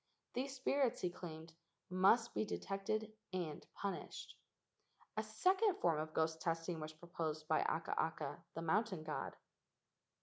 These spirits, he claimed, must be detected and punished. A second form of ghost testing was proposed by Akaaka, the mountain god.